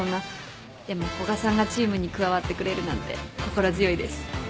でも古賀さんがチームに加わってくれるなんて心強いです。